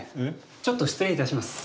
ちょっと失礼いたします。